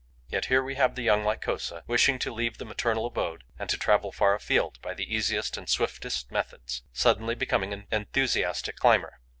Yet here we have the young Lycosa, wishing to leave the maternal abode and to travel far afield by the easiest and swiftest methods, suddenly becoming an enthusiastic climber.